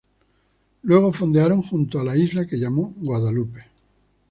Luego fondearon junto a la isla que llamó Guadalupe.